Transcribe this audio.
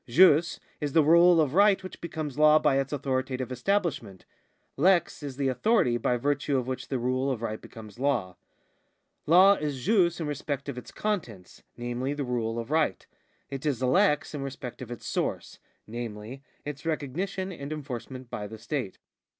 Jus is the rule of right which becomes law by its authoritative establishment ; lex is the authority by virtue of which the rule of right becomes law. Law is jus in respect of its contents, namely the rule of right ; it is lex in respect of its source, namely, its recognition and enforcement by the state.